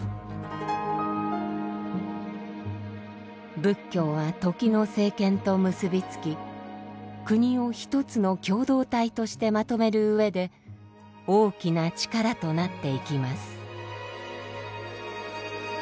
仏教は時の政権と結び付き国を一つの共同体としてまとめるうえで大きな力となっていきます。